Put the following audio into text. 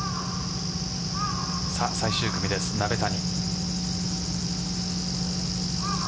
最終組です、鍋谷。